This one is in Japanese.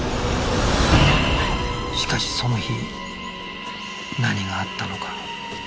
しかしその日何があったのか